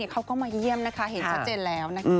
เขาก็มาเยี่ยมนะคะเห็นชัดเจนแล้วนะคะ